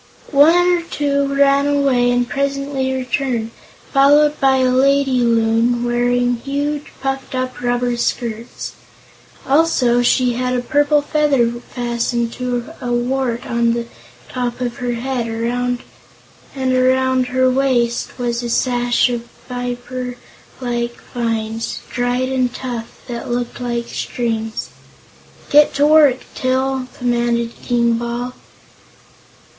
One or two ran away and presently returned, followed by a lady Loon wearing huge, puffed up rubber skirts. Also she had a purple feather fastened to a wart on the top of her head, and around her waist was a sash of fibre like vines, dried and tough, that looked like strings. "Get to work, Til," commanded King Bal.